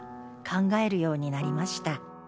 「考えるようになりました」